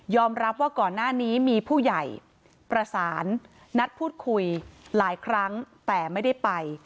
รับว่าก่อนหน้านี้มีผู้ใหญ่ประสานนัดพูดคุยหลายครั้งแต่ไม่ได้ไป